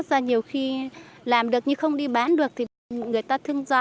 thật ra nhiều khi làm được nhưng không đi bán được thì người ta thương do